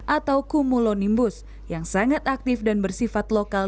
atau kumulonimbus yang sangat aktif dan bersifat lokal